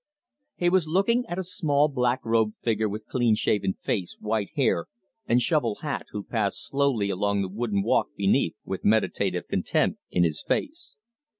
He was looking at a small black robed figure with clean shaven face, white hair, and shovel hat, who passed slowly along the wooden walk beneath, with meditative content in his face.